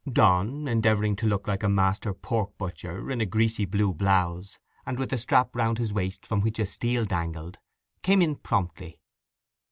Donn, endeavouring to look like a master pork butcher, in a greasy blue blouse, and with a strap round his waist from which a steel dangled, came in promptly.